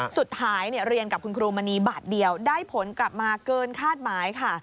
สุดท้ายเรียนกับคุณครูมณีบาทเดียวได้ผลกลับมาเกินคาดหมายค่ะ